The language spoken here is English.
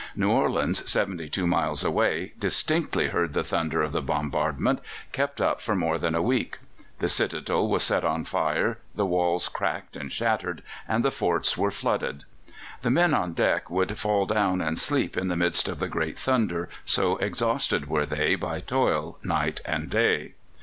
New Orleans, seventy two miles away, distinctly heard the thunder of the bombardment, kept up for more than a week. The citadel was set on fire, the walls cracked and shattered, and the forts were flooded. The men on deck would fall down and sleep in the midst of the great thunder, so exhausted were they by toil night and day.